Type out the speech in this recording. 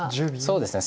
そうですね